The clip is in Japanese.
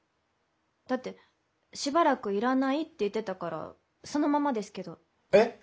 だってしばらく要らないって言ってたからそのままですけど。え！？